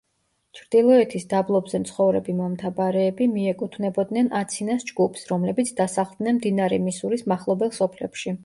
ჩრდილოეთის დაბლობებზე მცხოვრები მომთაბარეები, მიეკუთვნებოდნენ აცინას ჯგუფს, რომლებიც დასახლდნენ მდინარე მისურის მახლობელ სოფლებში.